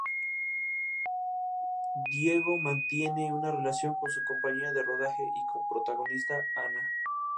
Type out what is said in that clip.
Diego mantiene una relación con su compañera de rodaje y co-protagonista, Ana.